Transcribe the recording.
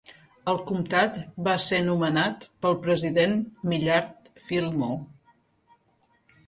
El comtat va ser nomenat pel president Millard Fillmore.